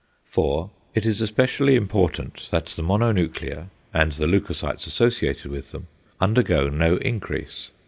4. It is especially important that the mononuclear and the leucocytes associated with them, undergo no increase.